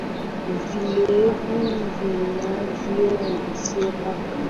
Vilewevu vinavyogusiwa mara nyingi huwa na uwezo tofauti wa